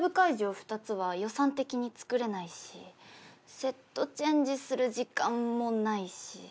２つは予算的に作れないしセットチェンジする時間もないし。